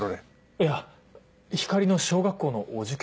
いや光莉の小学校のお受験。